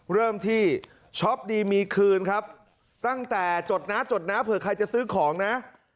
เริ่มที่ช็อปดีมีคืนครับตั้งแต่จดนะจดนะเผื่อใครจะซื้อของนะ